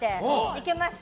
行けます！